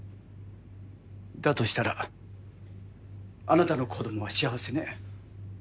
だとしたらあなたの子供は幸せね。